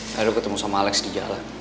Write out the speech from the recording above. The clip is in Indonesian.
tadi aku ketemu sama alex di jalan